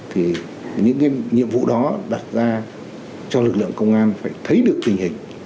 thì những nhiệm vụ đó đặt ra cho lực lượng công an phải thấy được tình hình